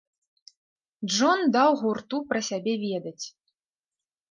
Джон даў гурту пра сябе ведаць.